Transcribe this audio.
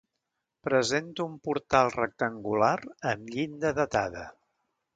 Presenta un portal rectangular amb llinda datada.